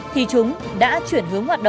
thì chúng đã chuyển hành